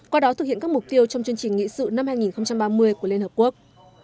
qua đó thực hiện các mục tiêu trong chương trình nghị sự năm hai nghìn ba mươi của liên hợp quốc